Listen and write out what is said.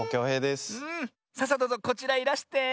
さあさあどうぞこちらいらして。